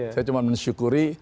saya cuma mensyukuri